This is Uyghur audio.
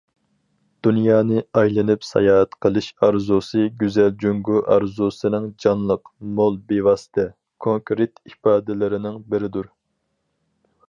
دۇنيانى ئايلىنىپ ساياھەت قىلىش ئارزۇسى گۈزەل جۇڭگو ئارزۇسىنىڭ جانلىق، مول، بىۋاسىتە، كونكرېت ئىپادىلىرىنىڭ بىرىدۇر.